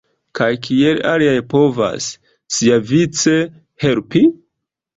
Kaj kiel aliaj povas, siavice, helpi?